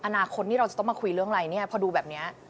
อนาคตนี่เราจะต้องมาคุยเรื่องอะไรเนี่ยพอดูแบบนี้